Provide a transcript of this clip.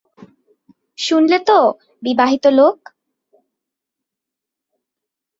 শুনলে তো, বিবাহিত লোক!